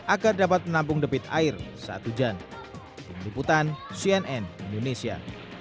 agar dapat menampung debit air saat hujan penyeliputan cnn indonesia